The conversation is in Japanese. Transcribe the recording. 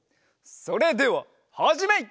それでははじめい！